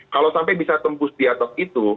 kalau sampai bisa tembus di atas itu